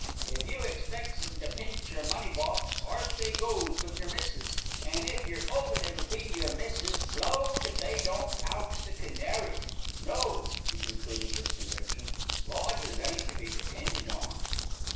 "If you expects 'em to pinch your money box, orf they goes with your missis; an' if you're 'opin' it'll be your missis, blowed if they don't pouch the canary. No!" he concluded with conviction, "lodgers ain't to be depended on."